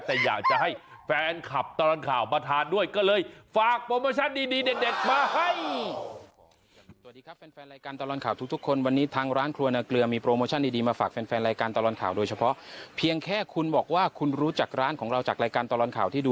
แต่อยากจะให้แฟนคลับตลอดข่าวมาทานด้วยก็เลยฝากโปรโมชั่นดี